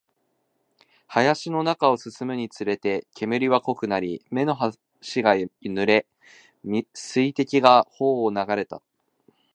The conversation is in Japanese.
林の中を進むにつれて、煙は濃くなり、目の端が濡れ、水滴が頬を流れた